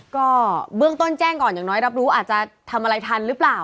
ก็เบื้องต้นแจ้งก่อนอย่างน้อยรับรู้อาจจะทำอะไรทันหรือเปล่า